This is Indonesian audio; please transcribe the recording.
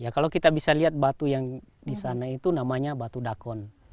kalau kita bisa lihat batu yang di sana itu namanya batu dakon